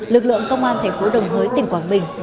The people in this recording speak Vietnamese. lực lượng công an thành phố đồng hới tỉnh quảng bình